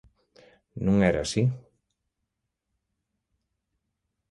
Non era así?